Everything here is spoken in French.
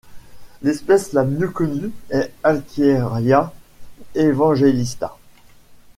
L'espèce la mieux connue est Halkieria evangelista.